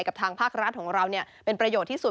กับทางภาครัฐของเราเป็นประโยชน์ที่สุด